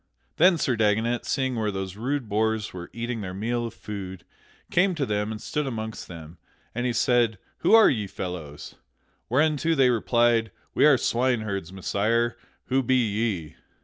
Then Sir Dagonet, seeing where those rude boors were eating their meal of food, came to them and stood amongst them. And he said, "Who are ye fellows?" Whereunto they replied, "We are swineherds, Messire; who be ye?"